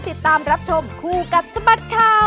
ติดตามรับชมคู่กับสบัดข่าว